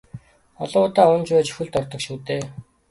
Олон удаа унаж байж хөлд ордог шүү дээ.